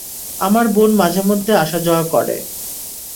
আমার বোন মাঝেমধ্যে আসা-যাওয়া করে।